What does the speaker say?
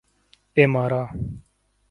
ایمارا